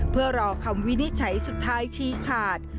เพื่อรอคำวินิจฉัยสุดท้ายชี้ขาด